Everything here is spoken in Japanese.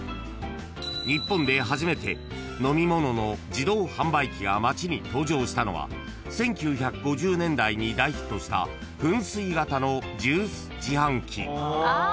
［日本で初めて飲み物の自動販売機が街に登場したのは１９５０年代に大ヒットした噴水型のジュース自販機］